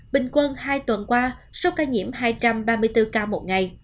bình quân hai tuần qua số ca nhiễm hai trăm ba mươi bốn ca một ngày